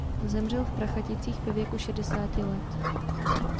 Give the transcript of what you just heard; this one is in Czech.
Zemřel v Prachaticích ve věku šedesáti let.